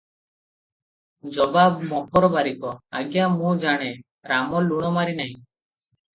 ଜବାବ ମକର ବାରିକ - ଆଜ୍ଞା ମୁଁ ଜାଣେ, ରାମ ଲୁଣ ମାରି ନାହିଁ ।